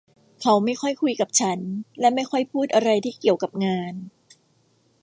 เขาไม่ค่อยคุยกับฉันและไม่ค่อยพูดอะไรที่เกี่ยวกับงาน